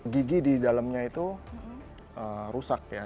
gigi di dalamnya itu rusak ya